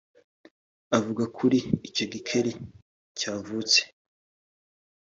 Abavuga kuri icyo gikeri cyavutse